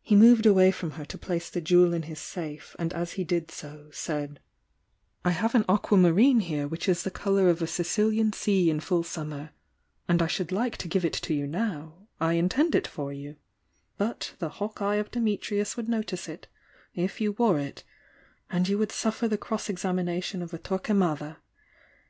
He moved away from b • to place the jewel in his safe, and as he did so, said: "I have an aqua marine here which is the colour of a Sicilian sea in full summer — and I should like to give it to you now, — I intend it for you — but the hawk eye of Dimitrius would notice it if you wore it, and you would suffer the cross examination of a Torquemada